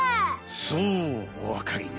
そうおわかりね。